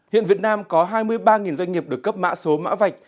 hiện việt nam có hai mươi ba doanh nghiệp được cấp mã số mã vạch